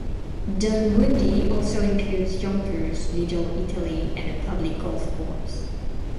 Dunwoodie also includes Yonkers' "Little Italy" and a public golf course.